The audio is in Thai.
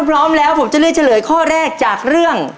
พร้อมแล้วผมจะเลือกเฉลยข้อแรกจากเรื่อง